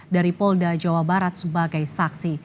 dari polda jawa barat sebagai saksi